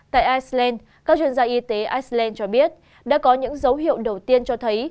tại iceland các chuyên gia y tế iceland cho biết đã có những dấu hiệu đầu tiên cho thấy